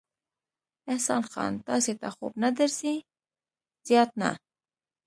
احسان خان، تاسې ته خوب نه درځي؟ زیات نه.